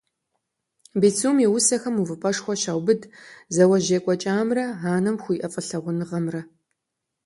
Бицум и усэхэм увыпӀэшхуэ щаубыд зауэжь екӀуэкӀамрэ анэм хуиӀэ фӀылъагъуныгъэмрэ.